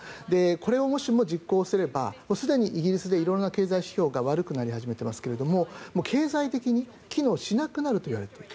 これをもしも実行すればすでにイギリスで色々な経済指標が悪くなり始めていますが経済的に機能しなくなるといわれている。